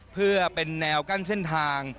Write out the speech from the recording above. เพื่อเป็นแนวกั้นเส้นทาง